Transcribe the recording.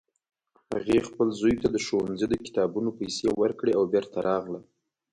هغې خپل زوی ته د ښوونځي د کتابونو پیسې ورکړې او بیرته راغله